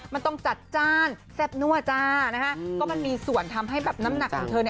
มันต้องจัดจ้านแซ่บนั่วจ้านะฮะก็มันมีส่วนทำให้แบบน้ำหนักของเธอเนี่ย